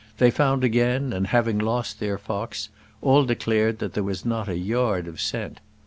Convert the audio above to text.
They found again, and having lost their fox, all declared that there was not a yard of scent.